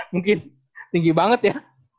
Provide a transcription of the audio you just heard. mungkin tinggi banget ya